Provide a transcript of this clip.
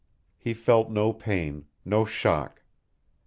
He felt no pain, no shock.